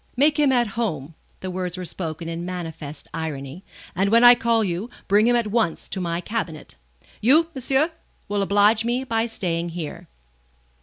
Make him at home," the words were spoken in manifest irony, "and when I call you, bring him at once to my cabinet. You, monsieur, you will oblige me by staying here."